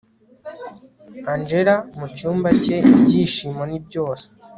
angella mucyumba cye ibyishimo nibyose